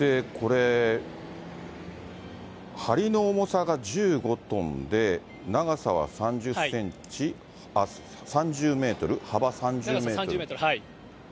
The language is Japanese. これ、はりの重さが１５トンで、長さは３０メートル、幅３０メートル。